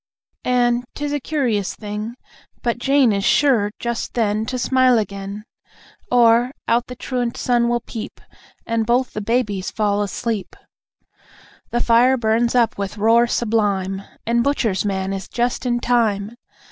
And, 'tis a curious thing, but Jane Is sure, just then, to smile again; Or, out the truant sun will peep, And both the babies fall asleep. The fire burns up with roar sublime, And butcher's man is just in time.